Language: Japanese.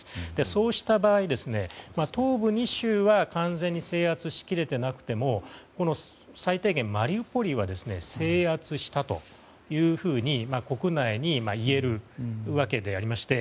そうした場合東部２州は完全に制圧しきれていなくても最低限、マリウポリは制圧したというふうに国内に言えるわけでありまして。